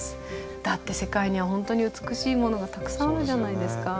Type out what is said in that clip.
だって世界には本当に美しいものがたくさんあるじゃないですか。